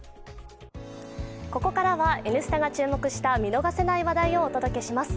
ここからは、「Ｎスタ」が注目した見逃せない話題をお届けします。